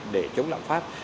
để chống lạm pháp